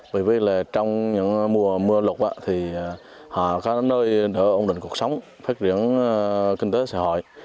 bởi vì là trong những mùa mưa lục thì họ có nơi ở ổn định cuộc sống phát triển kinh tế xã hội